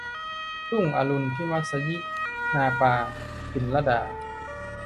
อรุณรุ่งที่มัสยิปานา - ปิ่นลดา